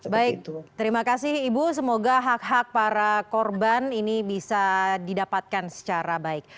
baik terima kasih ibu semoga hak hak para korban ini bisa didapatkan secara baik